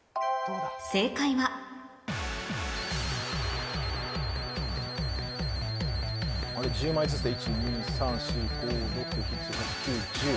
正解はあれ１０枚ずつで１・２・３・４・５・６・７・８・９・１０。